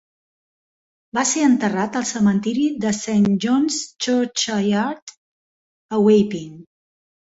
Va ser enterrat al cementiri de Saint John's Churchyard, a Wapping.